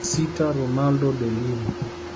Sita Ronaldo de Lima